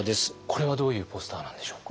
これはどういうポスターなんでしょう？